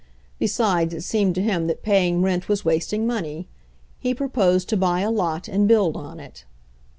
Besides, it seemed to him that paying rent was wasting money. He proposed to buy a lot and build on it.